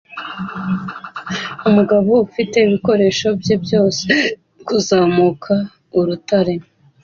Umugabo ufite ibikoresho bye byose kuzamuka urutare